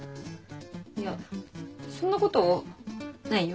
いやそんなことないよ。